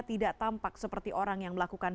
tidak tampak seperti orang yang melakukan